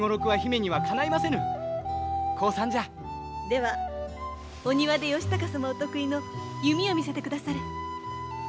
ではお庭で義高様お得意の弓を見せてくだされ。